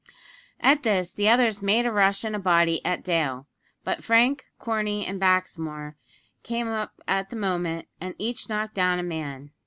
At this, the others made a rush in a body at Dale; but Frank, Corney, and Baxmore come up at the moment, and each knocked down a man.